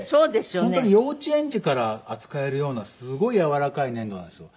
本当に幼稚園児から扱えるようなすごいやわらかい粘土なんですよ。